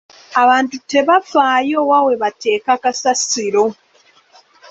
Abantu tebafaayo wa we bateeka kasasiro.